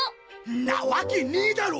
んなわけねえだろ！